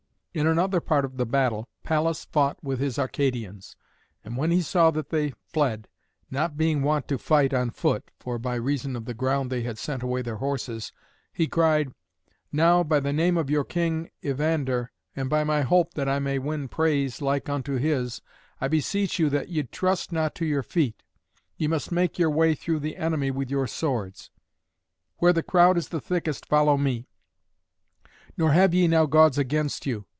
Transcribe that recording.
In another part of the battle Pallas fought with his Arcadians. And when he saw that they fled, not being wont to fight on foot (for by reason of the ground they had sent away their horses), he cried, "Now, by the name of your King Evander, and by my hope that I may win praise like unto his, I beseech you that ye trust not to your feet. Ye must make your way through the enemy with your swords. Where the crowd is the thickest follow me. Nor have ye now gods against you.